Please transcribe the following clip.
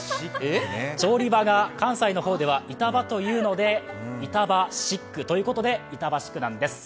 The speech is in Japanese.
調理場が、関西では板場と言うので板場シックということで板橋区です。